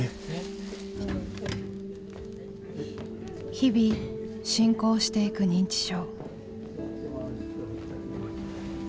日々進行していく認知症。